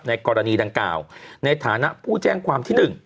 กรณีดังกล่าวในฐานะผู้แจ้งความที่๑